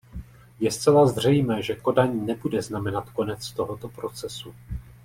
Je zcela zřejmé, že Kodaň nebude znamenat konec tohoto procesu.